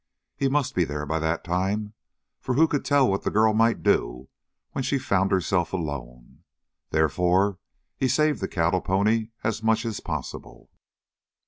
He must be there by that time, for who could tell what the girl might do when she found herself alone. Therefore he saved the cattle pony as much as possible.